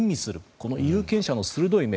この有権者の鋭い目。